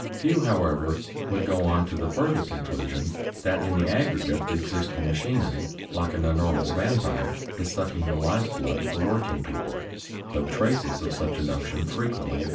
Few, however, would go on to the further conclusion that in the aggregate the existing machinery, like an enormous vampire, is sucking the life blood of the working people, though traces of such a notion frequently appear.